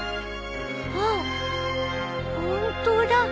あっ本当だ。